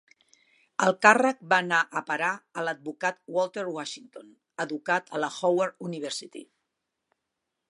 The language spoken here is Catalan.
El càrrec va anar a parar a l"advocat Walter Washington, educat a la Howard University.